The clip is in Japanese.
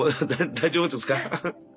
大丈夫です。